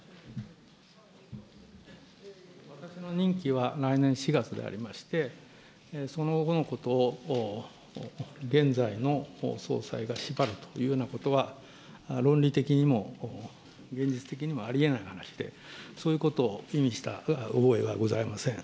私の任期は来年４月でありまして、その後のことを現在の総裁がしばるというようなことは、論理的にも現実的にもありえない話で、そういうことを意味した覚えはございません。